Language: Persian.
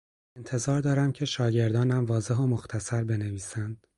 انتظار دارم که شاگردانم واضح و مختصر بنویسند.